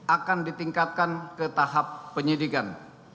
akan ditingkatkan ke tahap penyidikan